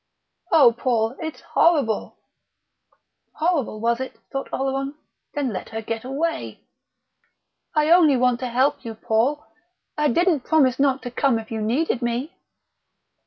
"Oh, Paul, it's horrible!..." Horrible, was it? thought Oleron. Then let her get away.... "I only want to help you, Paul.... I didn't promise not to come if you needed me...."